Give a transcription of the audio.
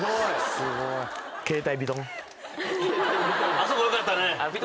あそこよかったね。